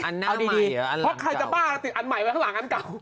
เพราะใครจะพ้นใหม่อันหน้านั้น